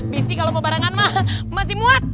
bisik kalau mau barengan mah masih muat